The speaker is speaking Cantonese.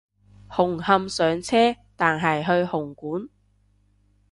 紅磡上車但係去紅館？